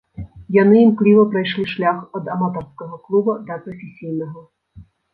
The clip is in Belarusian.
Яны імкліва прайшлі шлях ад аматарскага клуба да прафесійнага.